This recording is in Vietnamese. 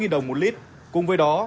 giá xăng dầu tăng lên